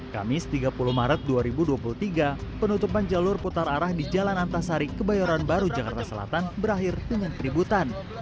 kamis tiga puluh maret dua ribu dua puluh tiga penutupan jalur putar arah di jalan antasari kebayoran baru jakarta selatan berakhir dengan keributan